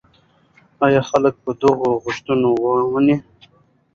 ایا خلک به د هغه غوښتنې ومني؟